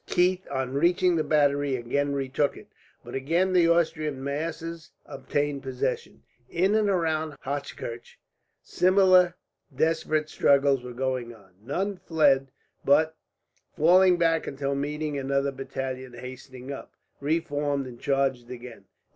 Keith, on reaching the battery, again retook it; but again the Austrian masses obtained possession. In and around Hochkirch, similar desperate struggles were going on. None fled but, falling back until meeting another battalion hastening up, reformed and charged again.